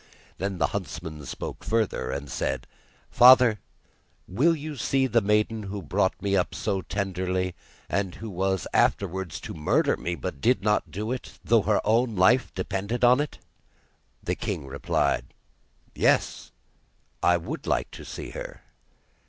Then the huntsman spoke further and said: 'Father, will you see the maiden who brought me up so tenderly and who was afterwards to murder me, but did not do it, though her own life depended on it?' The king replied: 'Yes, I would like to see her.